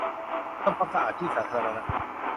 ทำความสะอาดที่สาธารณะ